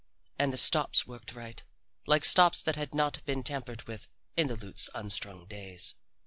And the stops worked right, like stops that had not been tampered with in the lute's unstrung days.